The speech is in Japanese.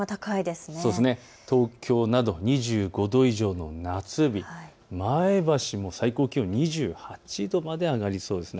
東京など２５度以上の夏日、前橋も最高気温２８度まで上がりそうです。